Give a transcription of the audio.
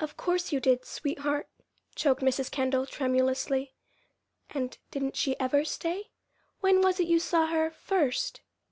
"Of course you did, sweetheart," choked Mrs. Kendall, tremulously. "And didn't she ever stay? When was it you saw her first?"